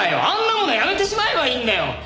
あんなものやめてしまえばいいんだよ！